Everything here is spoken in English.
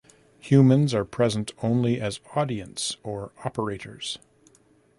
Humans are present only as audience or operators.